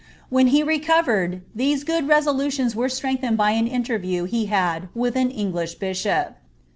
When he recovered, these good resolutions were strvngtheneil by ad interview he had with an English biahop.